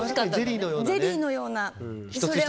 ゼリーのようなね。